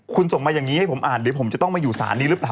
คุณส่งมาอย่างนี้ให้ผมอ่านเดี๋ยวผมจะต้องมาอยู่ศาลนี้หรือเปล่า